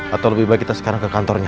atau lebih baik kita sekarang ke kantornya